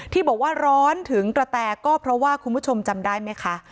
ที่บอกว่าร้อนถึงกระแตก็เพราะว่าคุณผู้ชมจำได้ไหมคะ